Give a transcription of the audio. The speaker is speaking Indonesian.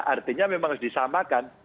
artinya memang harus disamakan